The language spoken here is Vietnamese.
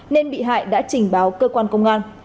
nên bị hại đã trình báo cơ quan công an